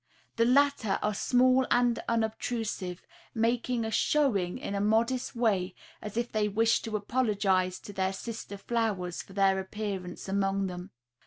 The latter are small and unobtrusive, making a showing in a modest way as if they wished to apologize to their sister flowers for their appearance among them.